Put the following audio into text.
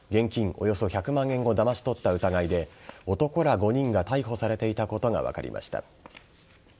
およそ１００万円をだまし取った疑いで男ら５人が逮捕されていたことが分かりました。